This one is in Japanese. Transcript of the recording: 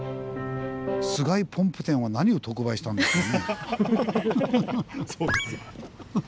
菅井ポンプ店は何を特売したんでしょうね？